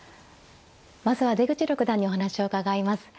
まずは出口六段にお話を伺います。